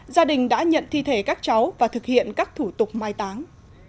gia đình đã nhận thi thể các cháu và thực hiện các thủ tục mai táng